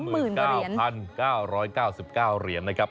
๙๙๙๙เหรียญนะครับ